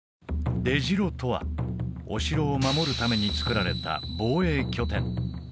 出城とはお城を守るために造られた防衛拠点